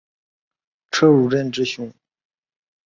车汝震之兄。